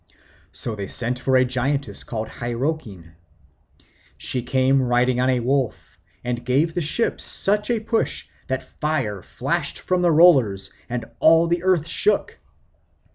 So they sent for a giantess called Hyrrockin. She came riding on a wolf and gave the ship such a push that fire flashed from the rollers and all the earth shook.